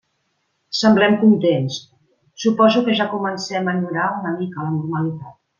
Semblem contents, suposo que ja comencem a enyorar una mica la normalitat.